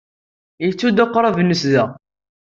Yettu-d aqrab-nnes da.